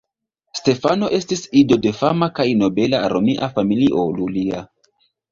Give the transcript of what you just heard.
Stefano estis ido de fama kaj nobela romia familio "Iulia".